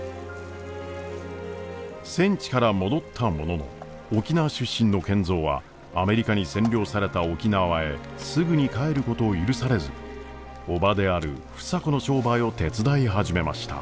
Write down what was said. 戦地から戻ったものの沖縄出身の賢三はアメリカに占領された沖縄へすぐに帰ることを許されず叔母である房子の商売を手伝い始めました。